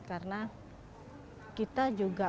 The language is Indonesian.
karena kita juga penyakit